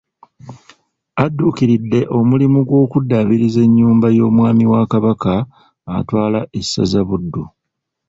Adduukiridde omulimu gw'okuddaabiriza ennyumba y'omwami wa Kabaka atwala essaza Buddu